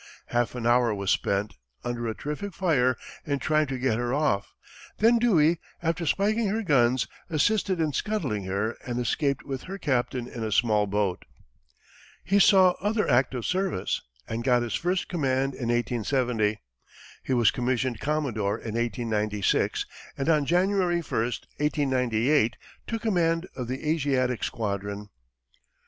Half an hour was spent, under a terrific fire, in trying to get her off; then Dewey, after spiking her guns, assisted in scuttling her and escaped with her captain in a small boat. He saw other active service, and got his first command in 1870. He was commissioned commodore in 1896, and on January 1, 1898, took command of the Asiatic squadron.